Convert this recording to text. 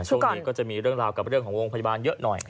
ช่วงนี้ก็จะมีเรื่องราวกับเรื่องของโรงพยาบาลเยอะหน่อย